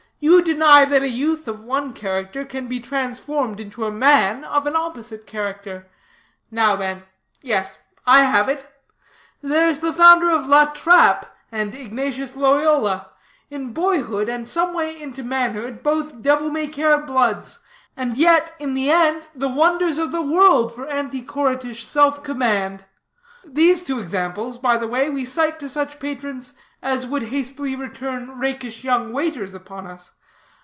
You deny that a youth of one character can be transformed into a man of an opposite character. Now then yes, I have it. There's the founder of La Trappe, and Ignatius Loyola; in boyhood, and someway into manhood, both devil may care bloods, and yet, in the end, the wonders of the world for anchoritish self command. These two examples, by the way, we cite to such patrons as would hastily return rakish young waiters upon us.